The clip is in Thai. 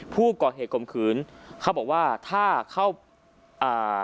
ผู้ก่อเหตุข่มขืนเขาบอกว่าถ้าเข้าอ่า